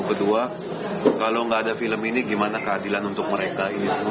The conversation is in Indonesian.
kedua kalau nggak ada film ini gimana keadilan untuk mereka ini semua